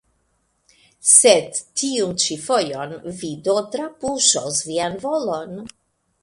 Sed tiun ĉi fojon vi do trapuŝos vian volon?